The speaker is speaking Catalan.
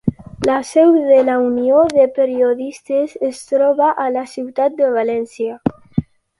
La seu de la Unió de Periodistes es troba a la ciutat de València.